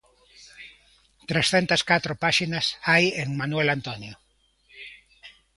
Trescentas catro páxinas hai en Manuel Antonio.